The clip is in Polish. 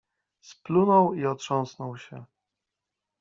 Splunął i otrząsnął się.